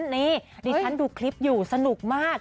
นี่ดิฉันดูคลิปอยู่สนุกมาก